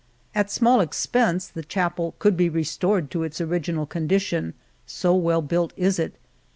At small expense the chapel could be restored to its original condi ^ tion, so well built it is.